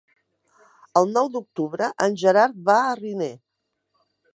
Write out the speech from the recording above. El nou d'octubre en Gerard va a Riner.